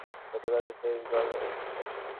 গতকাল ইয়াকারির স্বপ্নে ঈগল এসেছিল।